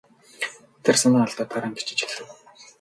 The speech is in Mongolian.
Тэр санаа алдаад дараа нь бичиж эхлэв.